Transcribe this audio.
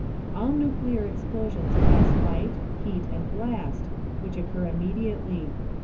All nuclear explosions cause light, heat and blast, which occur immediately.